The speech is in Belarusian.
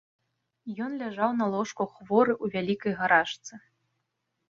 Ён ляжаў на ложку хворы, у вялікай гарачцы.